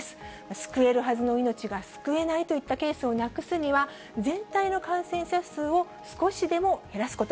救えるはずの命が救えないといったケースをなくすには、全体の感染者数を少しでも減らすこと。